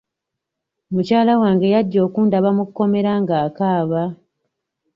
Mukyala wange yajja okundaba mu kkomera ng'akaaba.